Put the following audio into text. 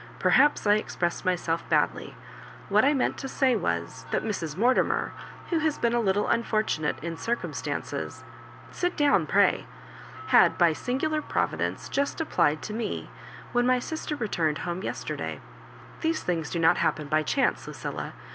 " Perhaps I ex pressed myself badly. What X meant to say was, that Mrs. Mortimer, who has been a little unfortunate in circumstances — sit down, pray — had by a singular providence just applied to Digitized by VjOOQIC 26 MISS MARJOBIBANKa mo when my sister returned home yesterday. These things do not happen by chance, Lu cilla.